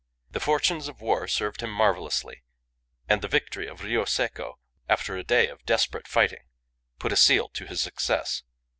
The fortunes of war served him marvellously, and the victory of Rio Seco (after a day of desperate fighting) put a seal to his success.